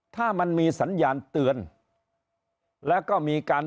ถ้ามันมีสัญญาณเตือนแล้วก็มีการ